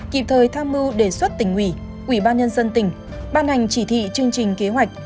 kịp thời tham mưu đề xuất tỉnh ủy ủy ban nhân dân tỉnh ban hành chỉ thị chương trình kế hoạch